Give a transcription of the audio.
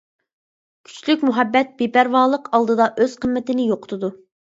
كۈچلۈك مۇھەببەت بىپەرۋالىق ئالدىدا ئۆز قىممىتىنى يوقىتىدۇ.